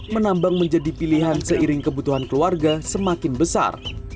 menambang menjadi pilihan seiring kebutuhan keluarga semakin besar